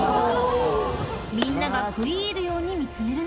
［みんなが食い入るように見詰める中］